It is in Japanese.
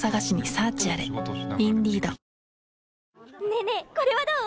ねえねえこれはどう？